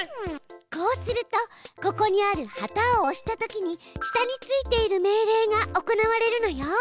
こうするとここにある旗を押したときに下についている命令が行われるのよ。